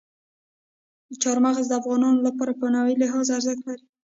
چار مغز د افغانانو لپاره په معنوي لحاظ ارزښت لري.